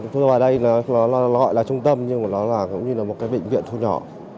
tôi vào đây nó gọi là trung tâm nhưng mà nó là cũng như là một cái bệnh viện thu nhỏ